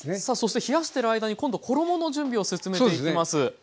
さあそして冷やしている間に今度衣の準備を説明していきます。